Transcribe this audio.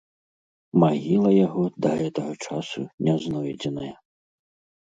Магіла яго да гэтага часу не знойдзеная.